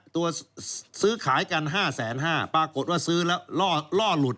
ซื้อขายกัน๕๕๐๐บาทปรากฏว่าซื้อแล้วล่อหลุด